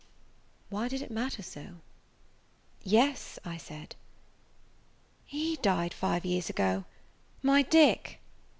Why did it matter so? "Yes," I said. "He died five years ago, my Dick."